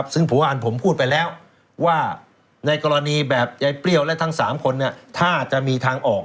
ซึ่งผมอ่านผมพูดไปแล้วว่าในกรณีแบบยายเปรี้ยวและทั้ง๓คนถ้าจะมีทางออก